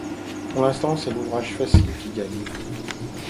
Pour l’instant, C’est l’ouverture facile qui gagne.